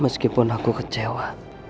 meskipun aku kecewa